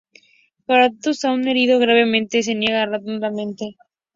Kratos, aún herido gravemente, se niega rotundamente.